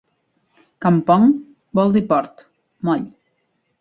"Kampong" vol dir port, moll.